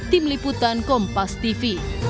tim liputan kompas tv